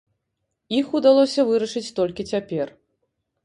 Іх удалося вырашыць толькі цяпер.